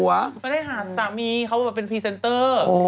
ไม่ได้หาสามีเขามาเป็นพรีเซนเตอร์